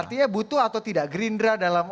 artinya butuh atau tidak gerindra dalam